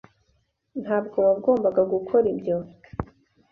Ntabwo wagombaga gukora ibyo.